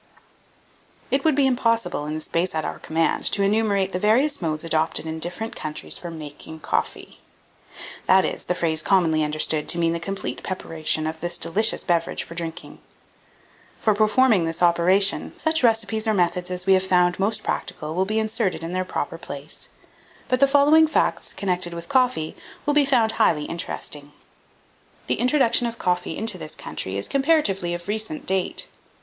1799. It would be impossible, in the space at our command, to enumerate the various modes adopted in different countries for "making coffee;" that is, the phrase commonly understood to mean the complete preparation of this delicious beverage for drinking. For performing this operation, such recipes or methods as we have found most practical will be inserted in their proper place; but the following facts connected with coffee will be found highly interesting. 1800. The introduction of coffee into this country is comparatively of recent date.